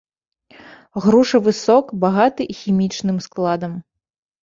Грушавы сок багаты хімічным складам.